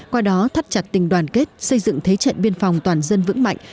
qua đó thắt chặt tình đoàn kết xây dựng thế trận biên phòng toàn dân vững mạnh